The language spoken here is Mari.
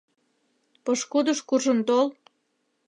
Пошкудыш куржын тол...